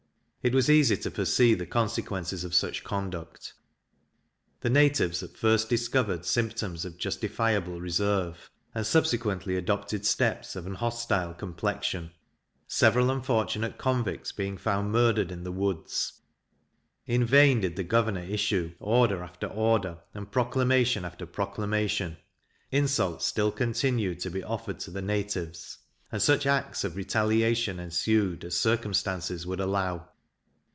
It was easy to foresee the consequences of such conduct: the natives at first discovered symptoms of justifiable reserve, and subsequently adopted steps of an hostile complexion, several unfortunate convicts being found murdered in the woods. In vain did the governor issue order after order, and proclamation after proclamation; insults still continued to be offered to the natives, and such acts of retaliation ensued as circumstances would allow.